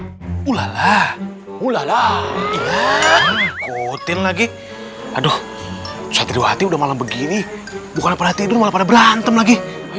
berat ulala ulala kutin lagi aduh catriwati udah malam begini bukan pada tidur pada berantem lagi